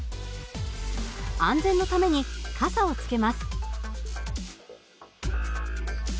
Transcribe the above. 安全のために傘をつけます。